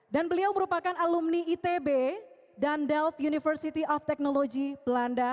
beliau merupakan alumni itb dan delf university of technology belanda